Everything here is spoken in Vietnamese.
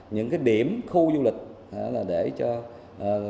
những cái điểm khu du lịch để cho khách